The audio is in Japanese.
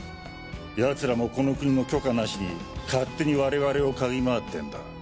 奴らもこの国の許可なしに勝手に我々を嗅ぎ回ってんだ。